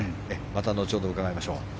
また後ほど、伺いましょう。